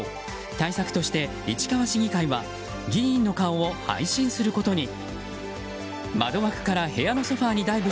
対策として市川市議会は議員の顔を配信することに。